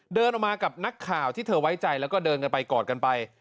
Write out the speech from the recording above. เดินออกมากับนักข่าวที่เธอไว้ใจแล้วก็เดินกันไปกอดกันไป